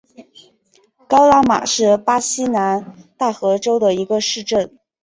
高拉马是巴西南大河州的一个市镇。